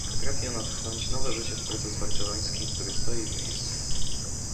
potrafi ona tchnąć nowe życie w proces barceloński, który stoi w miejscu